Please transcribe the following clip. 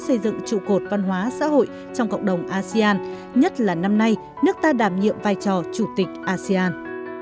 xây dựng trụ cột văn hóa xã hội trong cộng đồng asean nhất là năm nay nước ta đảm nhiệm vai trò chủ tịch asean